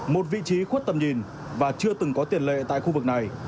một vị trí khuất tầm nhìn và chưa từng có tiền lệ tại khu vực này